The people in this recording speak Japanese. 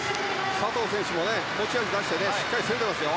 佐藤選手も持ち味を出してしっかり競ってますよ。